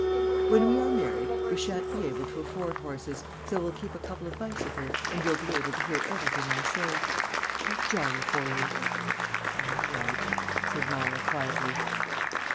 "When we are married we shan't be able to afford horses, so we'll keep a couple of bicycles, and you'll be able to hear everything I say. How jolly for you." "All right," said Myra quietly.